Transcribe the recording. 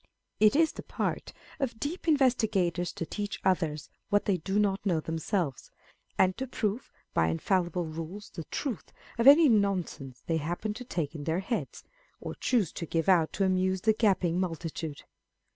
It is the part of deep investi gators to teach others what they do not know themselves, and to prove by infallible rules the truth of any nonsense they happen to take in their heads, or choose to give out to amuse the gaping multitude.